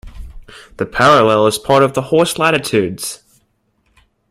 The parallel is part of the horse latitudes.